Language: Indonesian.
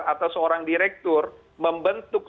atau seorang direktur membentuk